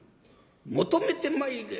求めてまいれ」。